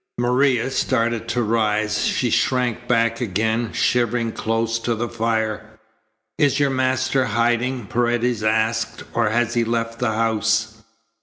Maria started to rise. She shrank back again, shivering close to the fire. "Is your master hiding," Paredes asked, "or has he left the house?"